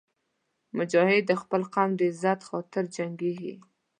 مجاهد د خپل قوم د عزت خاطر جنګېږي.